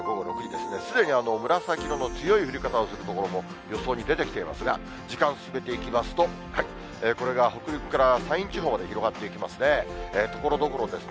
すでに紫色の強い降り方をする所も予想に出てきていますが、時間進めていきますと、これが北陸から山陰地方まで広がっていきますね。